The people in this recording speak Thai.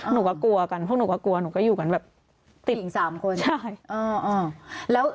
หนูก็กลัวกันเพราะหนูก็กลัวหนูก็อยู่กันแบบติด